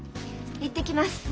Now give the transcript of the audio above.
行ってきます。